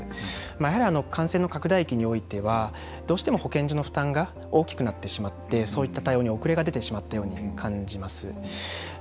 やはり感染の拡大期においてはどうしても保健所の負担が大きくなってしまってそういった対応に遅れが出てしまったように感じます。